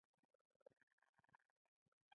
• ځمکې او کرنې طبقاتي توپیرونه رامنځته کړل.